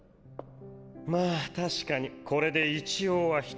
まぁ確かにこれで一応は一安心ね。